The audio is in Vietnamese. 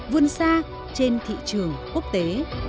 vươn xa trên thị trường quốc tế